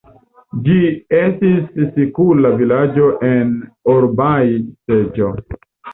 Ĝi estis sikula vilaĝo en Orbai-seĝo.